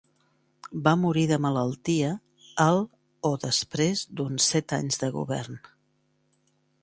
Va morir de malaltia el o després d'uns set anys de govern.